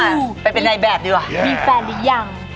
มีแฟนรึยัง